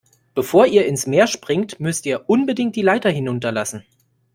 Bevor ihr ins Meer springt, müsst ihr unbedingt die Leiter hinunterlassen.